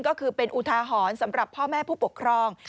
ก็คือเป็นอุทาหรณ์สำหรับพ่อแม่ผู้ปกครอง